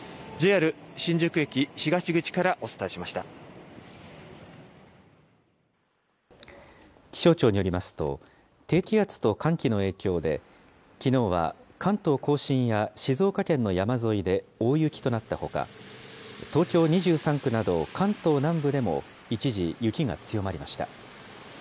ＪＲ新宿駅東口からお伝えしまし気象庁によりますと、低気圧と寒気の影響で、きのうは関東甲信や静岡県の山沿いで大雪となったほか、東京２３区など関東南部でも一時雪が強まりました。